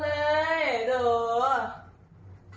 เฮ้ยไอ้แกเรายังโดนโดนอ้วน